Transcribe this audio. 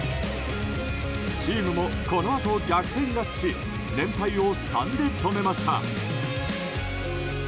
チームもこのあと、逆転勝ちし連敗を３で止めました。